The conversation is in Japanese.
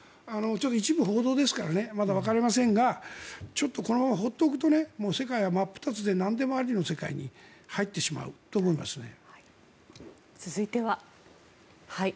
一部報道ですからまだわかりませんがちょっとこのまま放っておくと世界は真っ二つでなんでもありの世界に入ってしまうと思いますね。